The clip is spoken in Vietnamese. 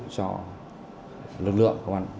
trong lực lượng